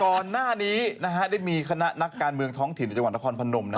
ก่อนหน้านี้ได้มีคณะนักการเมืองท้องถิ่นในจังหวัดนครพนม